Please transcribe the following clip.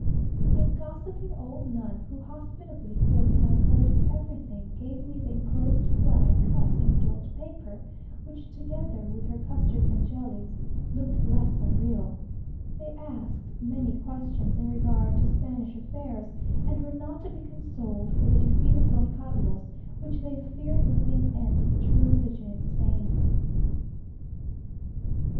A gossiping old nun, who hospitably filled my plate with everything, gave me the enclosed flag cut in gilt paper, which, together with her custards and jellies, looked less unreal. They asked many questions in regard to Spanish affairs, and were not to be consoled for the defeat of Don Carlos, which they feared would be an end of the true religion in Spain.